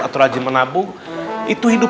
pak berbual aja